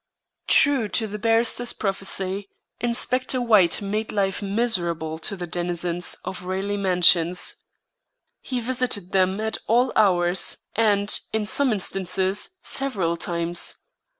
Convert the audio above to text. True to the barrister's prophecy, Inspector White made life miserable to the denizens of Raleigh Mansions. He visited them at all hours, and, in some instances, several times.